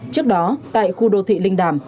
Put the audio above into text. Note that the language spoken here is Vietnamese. trước đó tại khu đô thị linh đàm